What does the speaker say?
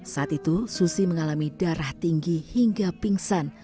saat itu susi mengalami darah tinggi hingga pingsan